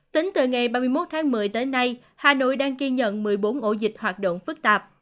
tính từ ngày ba mươi một tháng một mươi tới nay hà nội đang ghi nhận một mươi bốn ổ dịch hoạt động phức tạp